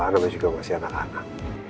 tapi juga masih anak anak